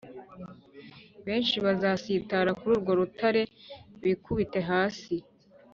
Benshi bazasitara kuri urwo rutare bikubite hasi,